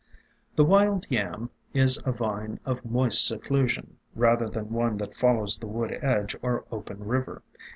The Wild Yam is a vine of moist seclusion, rather than one that follows the wood edge or open river.